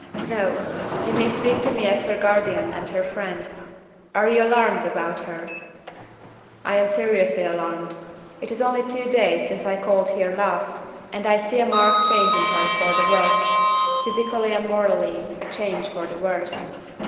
"No. You may speak to me as her guardian and her friend. Are you alarmed about her?" "I am seriously alarmed. It is only two days since I called here last, and I see a marked change in her for the worse physically and morally, a change for the worse.